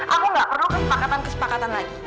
aku nggak perlu kesepakatan kesepakatan lagi